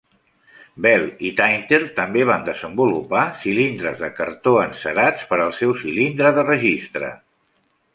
Bell i Tainter també van desenvolupar cilindres de cartó encerats per al seu cilindre de registre.